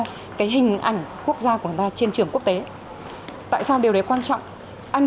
cái hình ảnh quốc gia của người ta trên trường quốc tế tại sao điều đấy quan trọng anh